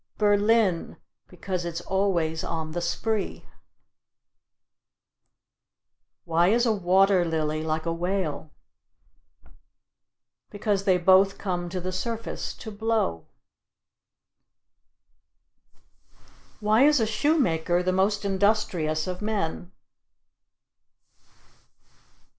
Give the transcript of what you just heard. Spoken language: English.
Berlin; because it's always on the Spree. Why is a water lily like a whale? Because they both come to the surface to blow. Why is a shoemaker the most industrious of men?